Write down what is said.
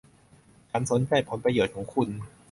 ฉันสนใจผลประโยชน์ของคุณ